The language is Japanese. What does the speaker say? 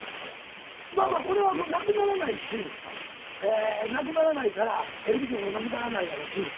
これはなくならないしなくならないからテレビ局もなくならないやろうし。